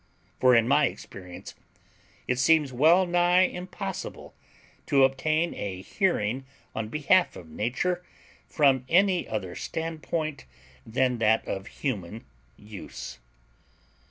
For in my experience it seems well nigh impossible to obtain a hearing on behalf of Nature from any other standpoint than that of human use.